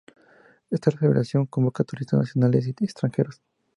Esta celebración convoca a turistas nacionales y extranjeros.